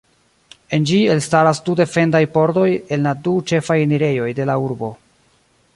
En ĝi elstaras du defendaj pordoj en la du ĉefaj enirejoj de la urbo.